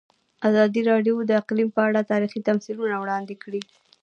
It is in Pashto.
ازادي راډیو د اقلیم په اړه تاریخي تمثیلونه وړاندې کړي.